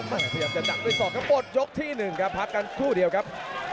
พยายามจะดักด้วยศอกครับหมดยกที่๑ครับพักกันครู่เดียวครับ